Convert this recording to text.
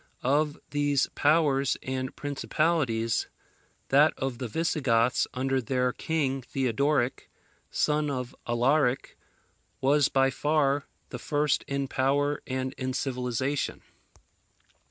Of these powers and principalities, that of the Visigoths, under their king Theodoric, son of Alaric, was by far the first in power and in civilization.